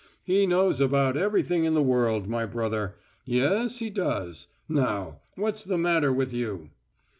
He knows about everything in the world, my brother. Yes, he does. Now, what's the matter with you?"